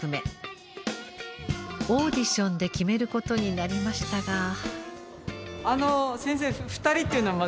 オーディションで決めることになりましたが。